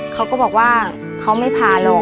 เขาก็บอกว่าเขาไม่ผ่าหรอก